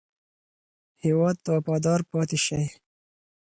هېواد ته وفادار پاتې شئ.